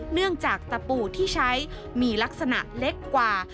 เนื่องจากตะปูที่ใช้มีลักษณะเล็กกว่า